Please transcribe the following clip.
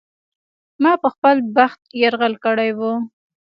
ما په خپل بخت یرغل کړی و.